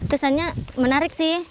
kesannya menarik sih